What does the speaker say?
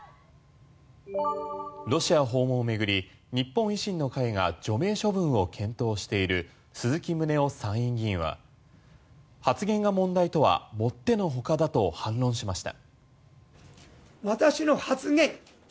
ロシア訪問を巡り日本維新の会が除名処分を検討している鈴木宗男参院議員は発言が問題とはもってのほかだと反論しました。